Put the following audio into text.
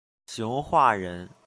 熊化人。